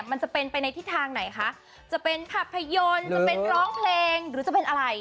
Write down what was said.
มันจะเป็นไปในทิศทางไหนคะจะเป็นภาพยนตร์จะเป็นร้องเพลงหรือจะเป็นอะไร